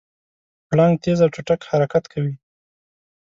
پړانګ تېز او چټک حرکت کوي.